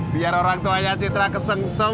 biar orang tuanya citra kesengseng